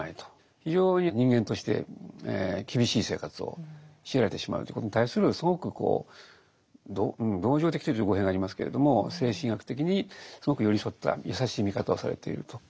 非常に人間として厳しい生活を強いられてしまうということに対するすごく同情的というと語弊がありますけれども精神医学的にすごく寄り添った優しい見方をされていると。